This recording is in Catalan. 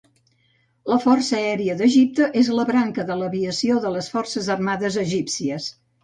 La Força Aèria d'Egipte és la branca de l'Aviació de les Forces Armades Egípcies.